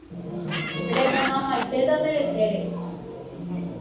remonambaitéta nde retére